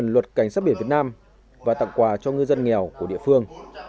luật cảnh sát biển việt nam và tặng quà cho ngư dân nghèo của địa phương